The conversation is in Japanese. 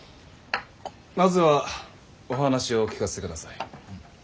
まずはお話を聞かせてください。